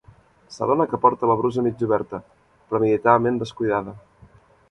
S'adona que porta la brusa mig oberta, premeditadament descuidada.